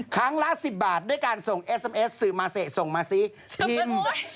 ต้องกลับพิมร์อะไรเอาใหม่